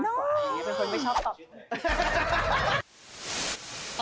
เป็นคนไม่ชอบตอบ